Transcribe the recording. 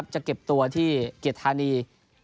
จะเก็บตัวที่เกียรติธานี